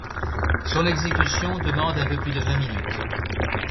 Son exécution demande un peu plus de vingt minutes.